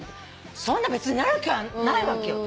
そんな別になる気はないわけよ。